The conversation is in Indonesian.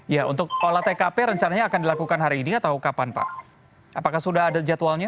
ya untuk olah tkp rencananya akan dilakukan hari ini atau kapan pak apakah sudah ada jadwalnya